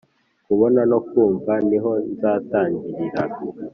kubona no kumva niho nzatangirira